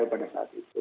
pada saat itu